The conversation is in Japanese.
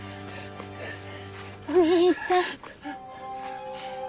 お兄ちゃん。